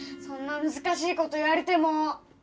そんな難しい事言われても！